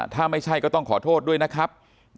ถ้าไม่ใช่ก็ต้องขอโทษด้วยนะครับ